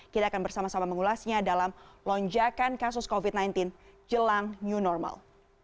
kita akan bersama sama mengulasnya dalam lonjakan kasus covid sembilan belas jelang new normal